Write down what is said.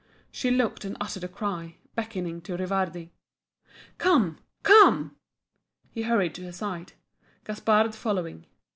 She looked and uttered a cry, beckoning to Rivardi. "Come! Come!" He hurried to her side, Gaspard following.